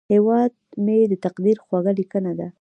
هیواد مې د تقدیر خوږه لیکنه ده